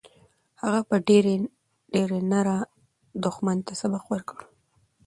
هغه په ډېرې نره دښمن ته سبق ورکړ.